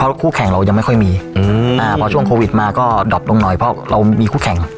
เพราะคู่แข่งเรายังไม่ค่อยมีพอช่วงโควิดมาก็ดอบลงหน่อยเพราะเรามีคู่แข่ง